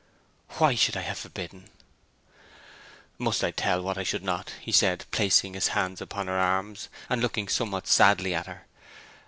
'Why should I have forbidden?' 'Must I tell what I would not?' he said, placing his hands upon her arms, and looking somewhat sadly at her.